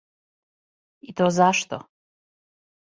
И то зашто?